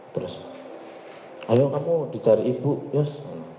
terus ayo kamu dicari ibu yos